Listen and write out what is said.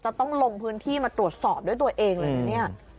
จะต้องลงพื้นที่มาตรวจสอบด้วยตัวเองเลยนะเนี่ย